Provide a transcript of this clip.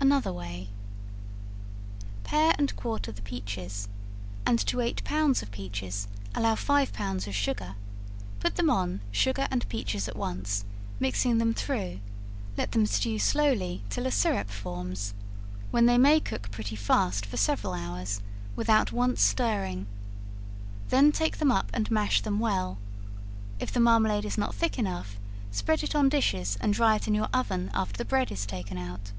Another Way. Pare and quarter the peaches, and to eight pounds of peaches, allow five pounds of sugar, put them on, sugar and peaches at once, mixing them through, let them stew slowly until a syrup forms, when they may cook pretty fast for several hours, without once stirring, then take them up, and mash them well, if the marmalade is not thick enough, spread it on dishes, and dry in your oven after the bread is taken out.